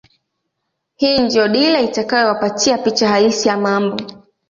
Hii ndio dira itakayowapatia picha halisi ya mambo